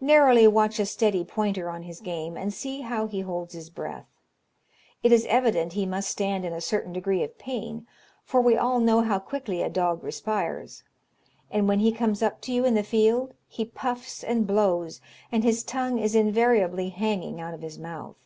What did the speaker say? Narrowly watch a steady pointer on his game, and see how he holds his breath. It is evident he must stand in a certain degree of pain, for we all know how quickly a dog respires. And when he comes up to you in the field he puffs and blows, and his tongue is invariably hanging out of his mouth.